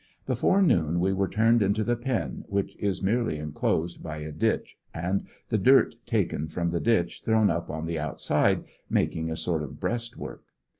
Before noon we were turned into the pen which is merely enclosed by a ditch and the dirt taken from the ditch thr3wn up on the outside, making a sort of breastwork.